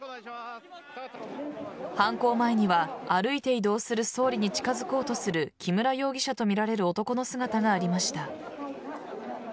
犯行前には歩いて移動する総理に近づこうとする木村容疑者とみられる男の姿がありました。